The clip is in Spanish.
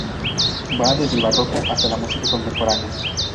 Va desde el barroco hasta la música contemporánea.